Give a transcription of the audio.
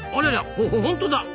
ほほんとだ。